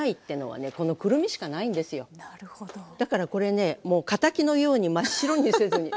だからこれねもう敵のように真っ白にせずに。